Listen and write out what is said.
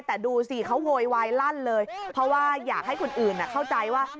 แต่ดูสิเขาโวยวายลั่นเลยเพราะว่าอยากให้คนอื่นเข้าใจว่า